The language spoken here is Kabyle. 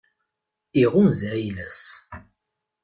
Iɣunza ayla-s.